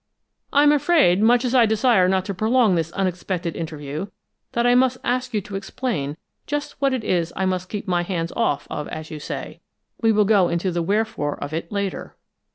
"I'm afraid, much as I desire not to prolong this unexpected interview, that I must ask you to explain just what it is that I must keep my hands off of, as you say. We will go into the wherefore of it later."